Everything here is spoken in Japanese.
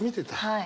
はい。